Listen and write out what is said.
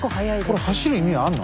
これ走る意味あんの？